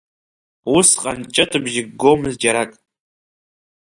Усҟан ҷытыбжьык гомызт џьарак.